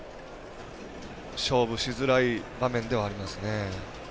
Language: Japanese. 勝負しづらい場面ではありますね。